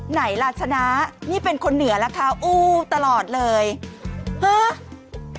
ไหนล่ะชนะนี่เป็นคนเหนือล่ะคะอู้ตลอดเลยฮะ